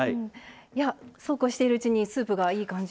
そうこうしているうちにスープがいい感じに。